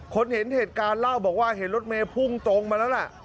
เห็นเหตุการณ์เล่าบอกว่าเห็นรถเมย์พุ่งตรงมาแล้วล่ะ